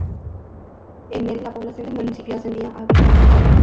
En el la población del municipio ascendía a habitantes.